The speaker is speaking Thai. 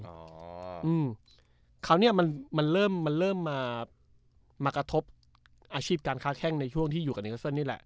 อ๋ออืมคราวนี้มันมันเริ่มมันเริ่มมากระทบอาชีพการค้าแข้งในช่วงที่อยู่กับเนอร์เซินนี่แหละ